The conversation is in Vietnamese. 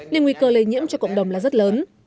nên nguy cơ lây nhiễm cho cộng đồng là rất lớn